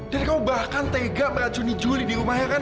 dan kamu bahkan tega meracuni juli di rumahnya kan